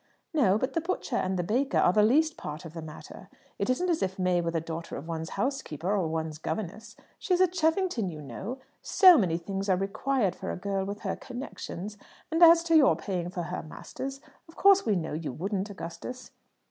"No; but the butcher and the baker are the least part of the matter. It isn't as if May were the daughter of one's housekeeper or one's governess. She is a Cheffington, you know. So many things are required for a girl with her connections; and as to your paying for her masters, of course we know you wouldn't, Augustus."